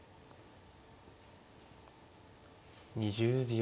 ２０秒。